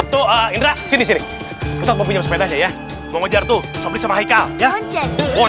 dan berikutnya bisa menjadi se gadget yang lama daftar